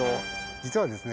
実はですね